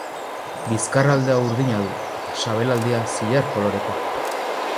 Bizkarraldea urdina du, eta sabelaldea zilar kolorekoa.